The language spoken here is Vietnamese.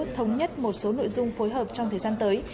thống nhất một số nội dung phối hợp trong thời gian tới